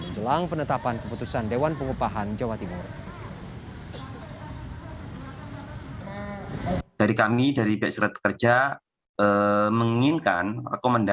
jelang penetapan keputusan dewan pengupahan jawa timur